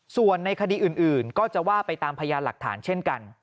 ส่วนในคดีอื่นก็จะว่าไปตามพยานหลักฐานเช่นกัน